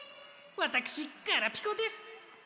わたくしガラピコです！